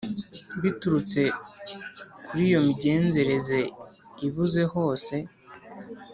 biturutse kuri iyo migenzereze ibuze hose: